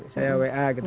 saya wa gitu